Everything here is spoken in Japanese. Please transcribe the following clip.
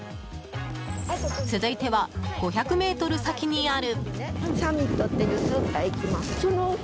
続いては、５００ｍ先にある。